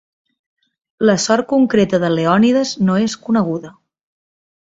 La sort concreta de Leònides no és coneguda.